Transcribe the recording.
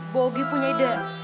bogi punya ide